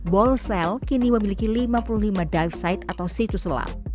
ball cell kini memiliki lima puluh lima dive site atau situ selam